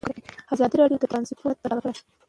ازادي راډیو د ترانسپورټ حالت په ډاګه کړی.